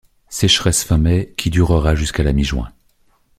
Sécheresse fin mai, qui durera jusqu'à la mi-juin.